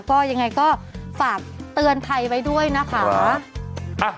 ก็ยังไงก็ฝากเตือนภัยไว้ด้วยนะคะ